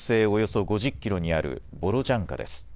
およそ５０キロにあるボロジャンカです。